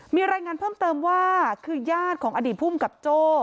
มีรายงานเพิ่มเติมว่าคือญาติของอดีตภูมิกับโจ้